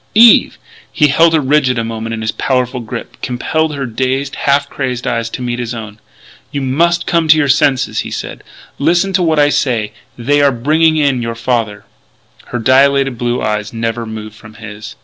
"Eve!" He held her rigid a moment in his powerful grip, compelled her dazed, half crazed eyes to meet his own: "You must come to your senses," he said. "Listen to what I say: they are bringing in your father." Her dilated blue eyes never moved from his.